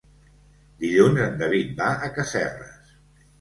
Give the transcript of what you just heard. Dilluns en David va a Casserres.